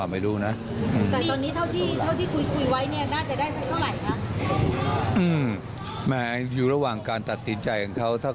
ไม่ใช่ชาติไทยพัฒนาเขามี๑๐